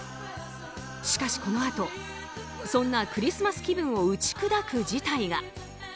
しかしこのあと、そんなクリスマス気分を打ち砕く事態が。